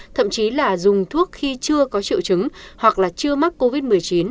thậm chí là dùng thuốc khi chưa có triệu chứng hoặc là chưa mắc covid một mươi chín